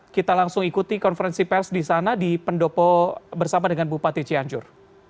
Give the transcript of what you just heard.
kita langsung ikuti konferensi pers di sana di pendopo bersama dengan bupati cianjur